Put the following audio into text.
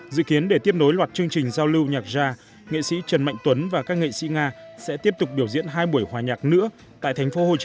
dự kiến để tiếp nối loạt chương trình giao lưu nhạc gia nghệ sĩ trần mạnh tuấn và các nghệ sĩ nga sẽ tiếp tục biểu diễn hai buổi hòa nhạc nữa tại tp hcm vào tháng một mươi hai năm nay